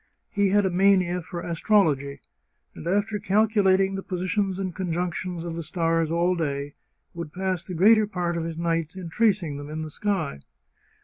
He had a mania for astrology, and, after calculating the positions and conjunctions of the stars all day, would pass the greater part of his nights in tracing them in the sky.